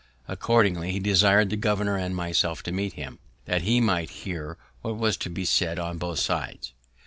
Accordingly, he desir'd the governor and myself to meet him, that he might hear what was to be said on both sides.